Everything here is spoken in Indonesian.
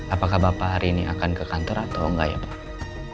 apakah bapak hari ini akan ke kantor atau enggak ya pak